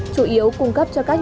chủ yếu cung cấp cho các nhà